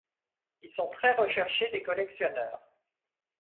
Ils sont très recherchés des collectionneurs.